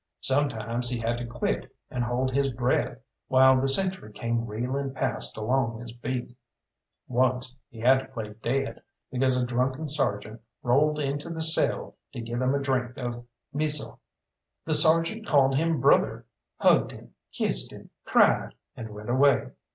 Sometimes he had to quit and hold his breath while the sentry came reeling past along his beat. Once he had to play dead, because a drunken sergeant rolled into the cell to give him a drink of meseal. The sergeant called him brother, hugged him, kissed him, cried, and went away.